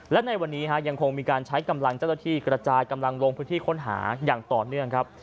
และในวันนี้ยังคงมีการใช้กำลังเจ้าหน้าที่กระจายกำลังลงพื้นที่ค้นหาอย่างต่อเนื่องครับ